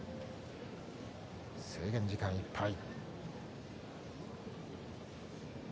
制限時間いっぱい。